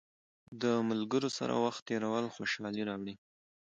د ملګرو سره وخت تېرول خوشحالي راوړي.